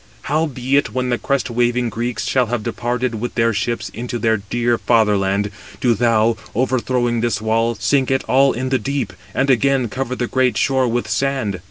Howbeit, when the crest waving Greeks shall have departed with their ships into their dear fatherland, do thou, overthrowing this wall, sink it all in the deep, and again cover the great shore with sand.